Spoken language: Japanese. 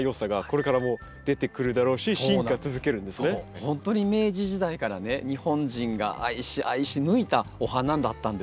ほんとに明治時代からね日本人が愛し愛し抜いたお花だったんですよね。